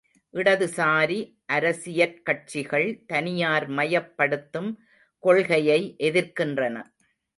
இடது சாரி அரசியற் கட்சிகள் தனியார்மயப் படுத்தும் கொள்கையை எதிர்க்கின்றன.